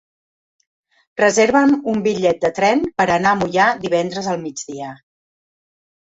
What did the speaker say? Reserva'm un bitllet de tren per anar a Moià divendres al migdia.